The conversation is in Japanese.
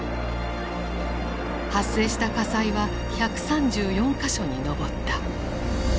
発生した火災は１３４か所に上った。